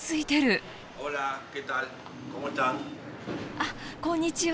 あっこんにちは。